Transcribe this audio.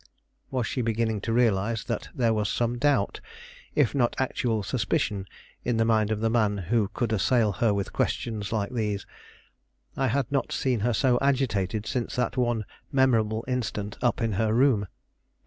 Was she beginning to realize that there was some doubt, if not actual suspicion, in the mind of the man who could assail her with questions like these? I had not seen her so agitated since that one memorable instant up in her room.